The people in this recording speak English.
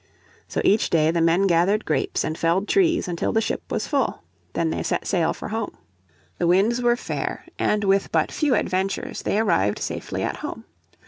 So each day the men gathered grapes and felled trees, until the ship was full. Then they set sail for home. The winds were fair, and with but few adventures they arrived safely at home.